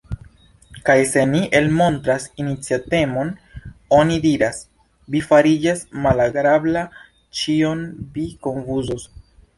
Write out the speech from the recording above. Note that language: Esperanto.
Kaj se ni elmontras iniciatemon oni diras: Vi fariĝas malagrabla, ĉion vi konfuzos.